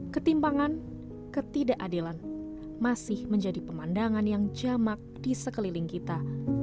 ketimpangan ketidakadilan masih menjadi pemandangan yang jamak di sekeliling kita